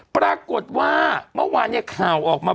ปรากฏว่าเมื่อวานเนี่ยข่าวออกมา